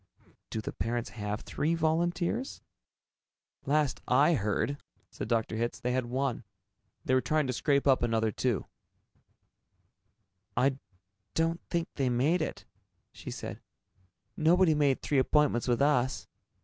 "Do the parents have three volunteers?" said Leora Duncan. "Last I heard," said Dr. Hitz, "they had one, and were trying to scrape another two up." "I don't think they made it," she said. "Nobody made three appointments with us.